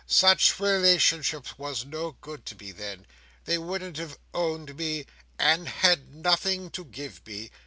Such relations was no good to me, then. They wouldn't have owned me, and had nothing to give me.